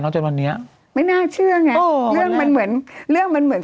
จนวันนี้ไม่น่าเชื่อไงโอ้เรื่องมันเหมือนเรื่องมันเหมือน